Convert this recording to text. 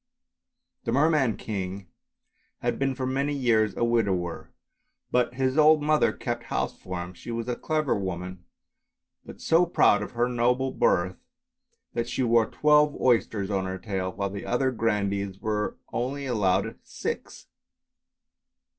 The Merman King had been for many years a widower, but his old mother kept house for him; she was a clever woman, but so proud of her noble birth that she wore twelve oysters on her tail, while the other grandees were only allowed six.